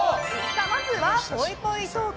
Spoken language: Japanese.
まずは、ぽいぽいトーク。